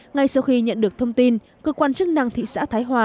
ngay sau khi nhận được thông tin cơ quan chức năng thị xã thái hòa